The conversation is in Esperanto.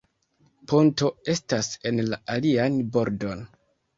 Ponto estas en la alian bordon.